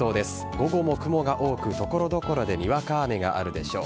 午後も雲が多く所々でにわか雨があるでしょう。